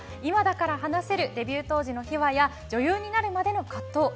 今だから話せるデビュー当時の秘話や女優になるまでは葛藤。